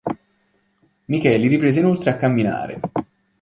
Micheli riprese inoltre a camminare.